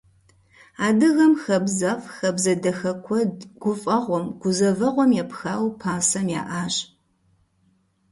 Адыгэм хабзэфӀ, хабзэ дахэ куэд гуфӀэгъуэм, гузэвэгъуэм епхауэ пасэм яӀащ.